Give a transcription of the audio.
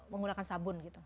menggunakan sabun gitu